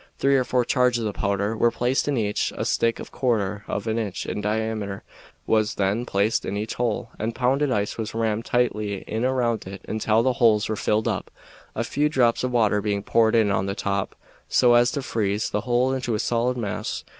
Three or four charges of powder were placed in each; a stick of a quarter of an inch in diameter was then placed in each hole, and pounded ice was rammed tightly in around it until the holes were filled up, a few drops of water being poured in on the top, so as to freeze the whole into a solid mass.